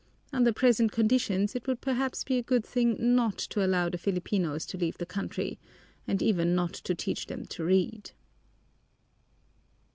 Under present conditions it would perhaps be a good thing not to allow the Filipinos to leave the country, and even not to teach them to read."